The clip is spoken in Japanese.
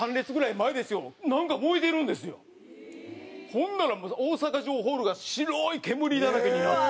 ほんならもう大阪城ホールが白い煙だらけになって。